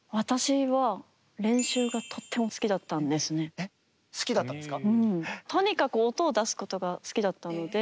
え好きだったんですか？